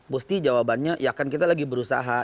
mesti jawabannya ya kan kita lagi berusaha